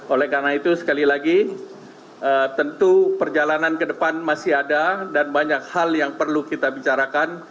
oleh karena itu sekali lagi tentu perjalanan ke depan masih ada dan banyak hal yang perlu kita bicarakan